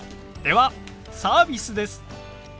ではサービスです。